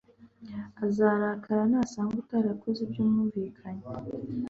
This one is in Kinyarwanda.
azarakara nasanga utarakoze ibyo mwumvikanye